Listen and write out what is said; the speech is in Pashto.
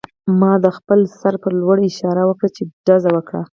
ما د خپل سر په لور اشاره وکړه چې ډز وکړه